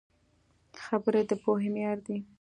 خبرې د پوهې معیار دي